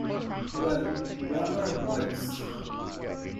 Well, what are boils?